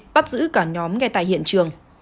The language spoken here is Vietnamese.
bắt giữ cả nhóm ngay tại hiện trường